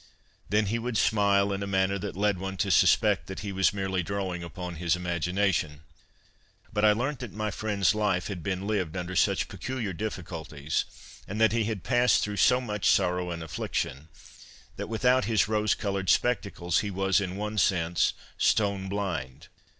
Then he would smile in a manner that led one to suspect that he was merely drawing upon his imagination. But I learnt that my friend's life had been lived under such peculiar difficulties, and that he had passed through so much sorrow and affliction, that without his rose coloured spectacles he was, in one sense, stone blind.